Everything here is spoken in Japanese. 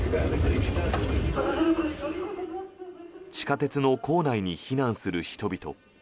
地下鉄の構内に避難する人々。